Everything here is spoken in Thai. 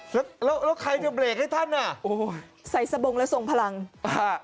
แล้วแล้วใครจะเบรกให้ท่านอ่ะโอ้โหใส่สะบงและส่งพลังฮะ